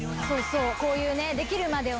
こういうできるまでを。